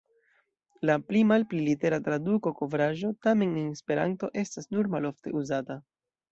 La pli-malpli litera traduko "kovraĵo" tamen en Esperanto estas nur malofte uzata.